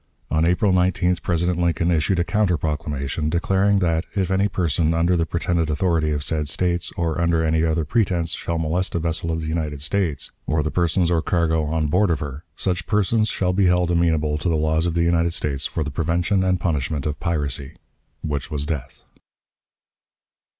On April 19th President Lincoln issued a counter proclamation, declaring that, "if any person, under the pretended authority of said States, or under any other pretense, shall molest a vessel of the United States, or the persons or cargo on board of her, such person shall be held amenable to the laws of the United States for the prevention and punishment of piracy," which was death.